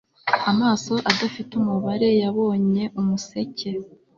Amaso adafite umubare yabonye umuseke